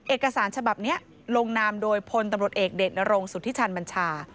เอกสารฉบับนี้ลงนามโดยพลตำรวจเอกเดชนรงสุธิชันบัญชา